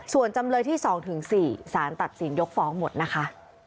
ส่วนจำเลยที่๒๔สารตัดสินยกฟ้องหมดนะคะ